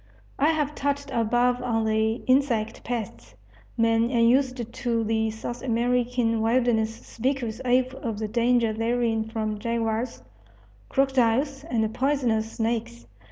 I have touched above on the insect pests. Men unused to the South American wilderness speak with awe of the danger therein from jaguars, crocodiles, and poisonous snakes.